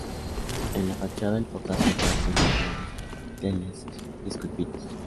En la fachada, el portal central con dos leones y capiteles esculpidos.